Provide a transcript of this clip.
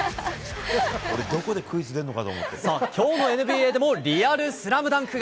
俺、どこでクイズ出るのかと思っきょうのＮＢＡでもリアルスラムダンクが。